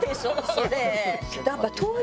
それ。